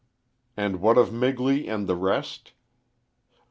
'" And what of Migley and the rest?